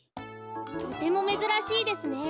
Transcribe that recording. とてもめずらしいですね。